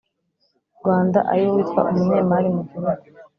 Rwanda ari wo witwa umunyemari mu gihugu